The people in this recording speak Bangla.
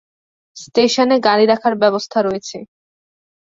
স্টেশনে গাড়ি রাখার ব্যবস্থা রয়েছে।